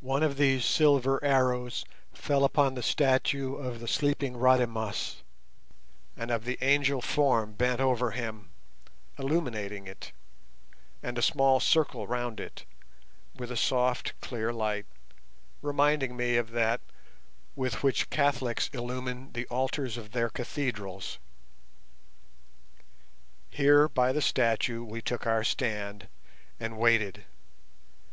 One of these silver arrows fell upon the statue of the sleeping Rademas, and of the angel form bent over him, illumining it, and a small circle round it, with a soft clear light, reminding me of that with which Catholics illumine the altars of their cathedrals. Here by the statue we took our stand, and waited.